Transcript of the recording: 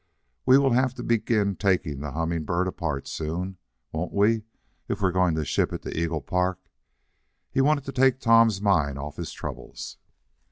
We will have to begin taking the Humming Bird apart soon; won't we, if we're going to ship it to Eagle Park?" He wanted to take Tom's mind off his troubles.